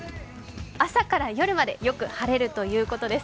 朝から夜までよく晴れるということです。